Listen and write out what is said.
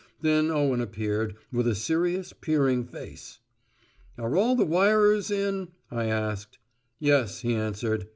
Then Owen appeared, with a serious peering face. "Are all the wirers in?" I asked. "Yes," he answered.